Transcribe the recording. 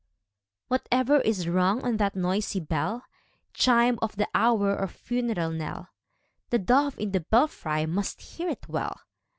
Whatever is rung on that noisy bell — Chime of the hour or funeral knell — The dove in the belfry must hear it well.